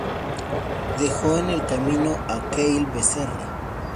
Dejó en el camino a Kael Becerra.